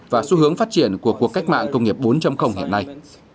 và xu hướng phát triển của cuộc cách mạng công nghiệp bốn hiện nay